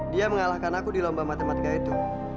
dia mengalahkan aku di lomba matematika itu